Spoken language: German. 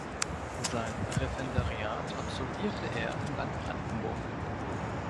Sein Referendariat absolvierte er im Land Brandenburg.